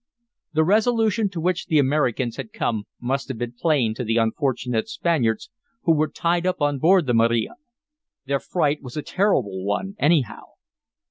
The resolution to which the Americans had come must have been plain to the unfortunate Spaniards who were tied up on board the Maria. Their fright was a terrible one, anyhow.